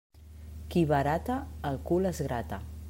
Qui barata, el cul es grata.